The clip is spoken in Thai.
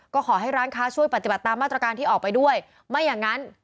ก็ขอให้ร้านค้าช่วยปฏิบัติตามมาตรการที่ออกไปด้วยไม่อย่างนั้น